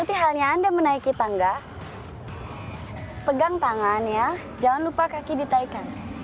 seperti halnya anda menaiki tangga pegang tangannya jangan lupa kaki ditaikan